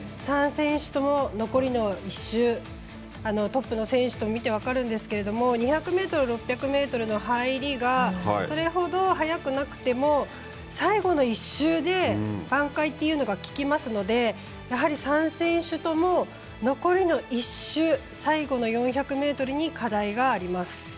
３選手とも残りの１周トップの選手と見て分かるんですが２００ｍ、６００ｍの入りがそれほど速くなくても最後の１周で挽回というのがききますのでやはり３選手とも残りの１周最後の４００ｍに課題があります。